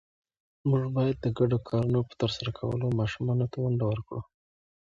موږ باید د ګډو کارونو په ترسره کولو ماشومانو ته ونډه ورکړو